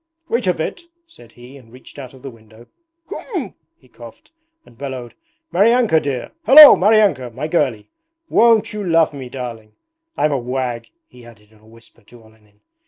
'Wait a bit,' said he and reached out of the window. 'Khm,' he coughed, and bellowed, 'Maryanka dear. Hallo, Maryanka, my girlie, won't you love me, darling? I'm a wag,' he added in a whisper to Olenin.